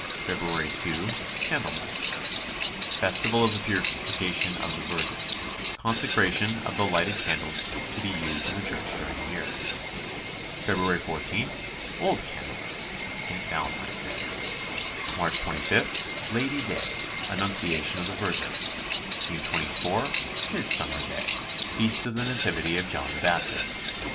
February 2, Candlemas; Festival of the Purification of the Virgin; consecration of the lighted candles to be used in the church during the year. February 14, Old Candlemas, St. Valentine's Day. March 25, Lady Day; Annunciation of rhe Virgin. June 24, Midsummer Day, Feast of the Nativity of John the Baptist.